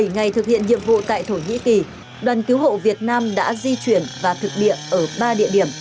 bảy ngày thực hiện nhiệm vụ tại thổ nhĩ kỳ đoàn cứu hộ việt nam đã di chuyển và thực địa ở ba địa điểm